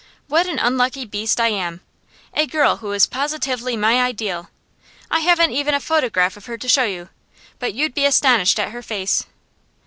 What an unlucky beast I am! A girl who was positively my ideal! I haven't even a photograph of her to show you; but you'd be astonished at her face.